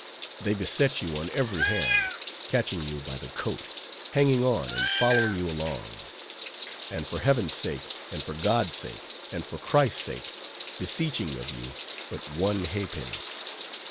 They beset you on every hand; catching you by the coat; hanging on, and following you along; and, for Heaven's sake, and for God's sake, and for Christ's sake, beseeching of you but _one ha'penny.